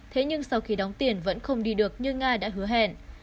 thế nhưng sau khi đóng tiền vẫn không đi được như nga đã hứa hẹn